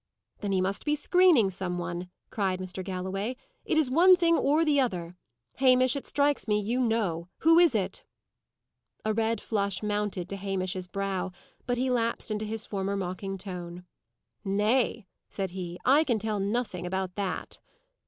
"Then he must be screening some one," cried Mr. Galloway. "It is one thing or the other. Hamish, it strikes me you know. Who is it?" A red flush mounted to Hamish's brow, but he lapsed into his former mocking tone. "Nay," said he, "I can tell nothing about that."